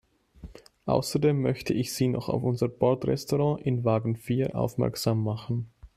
Außerdem möchte ich Sie noch auf unser Bordrestaurant in Wagen vier aufmerksam machen.